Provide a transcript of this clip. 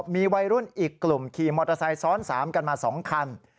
มีวัยรุ่นอีกกลุ่มขี่มอเตอร์ไซค์ซ้อน๓กันมา๒คัน